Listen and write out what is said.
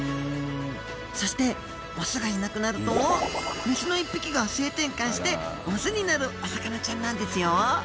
そしてオスがいなくなるとメスの１匹が性転換してオスになるお魚ちゃんなんですよ